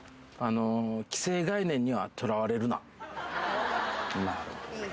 既成概念にはとらわれるな。